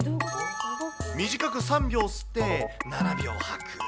短く３秒吸って、７秒吐く。